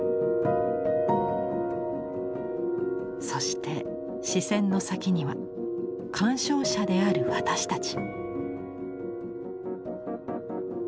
そして視線の先には鑑賞者である私たち。